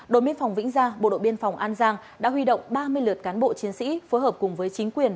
đội biên phòng vĩnh gia bộ đội biên phòng an giang đã huy động ba mươi lượt cán bộ chiến sĩ phối hợp cùng với chính quyền